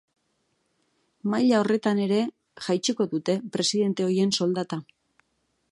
Maila horretan ere jaitsiko dute presidente ohien soldata.